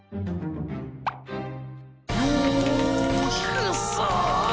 くそ！